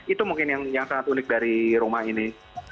itu mungkin yang sangat unik dari rumah ini